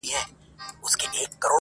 په خپل ځان پسي یې بنده حُجره کړه؛